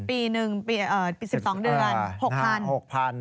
ปีนึงปี๑๒เดือน๖๐๐๐